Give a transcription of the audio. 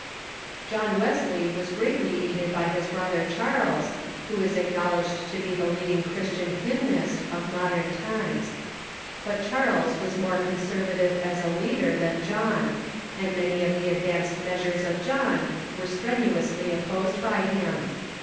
John Wesley was greatly aided by his brother Charles, who is acknowledged to be the leading Christian hymnist of mod ern times. But Charles was more conservative as a leader than John, and many of the advanced measures of John Avere 350 THE MODERN CHUKCH strenuously opposed by him.